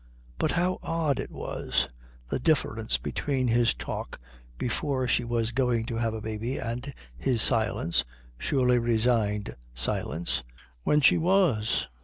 But how odd it was, the difference between his talk before she was going to have a baby and his silence surely resigned silence when she was!